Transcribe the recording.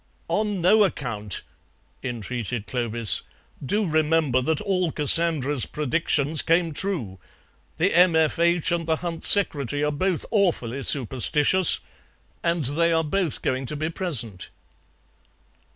"On no account," entreated Clovis; "do remember that all Cassandra's predictions came true. The M.F.H. and the Hunt Secretary are both awfully superstitious, and they are both going to be present."